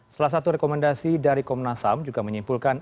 salah satu rekomendasi dari komnas ham juga menyimpulkan